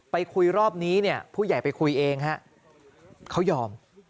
ไปคุยรอบนี้เนี่ยผู้ใหญ่ไปคุยเองฮะเขายอม